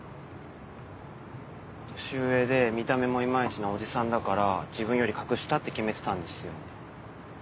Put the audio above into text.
年上で見た目もいまいちなおじさんだから自分より格下って決めてたんですよね。